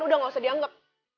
udah nggak usah dianggap